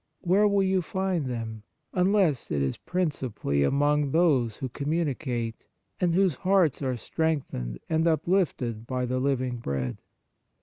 Where will you find them, unless it is principally among those who com municate, and whose hearts are strengthened and uplifted by the living Bread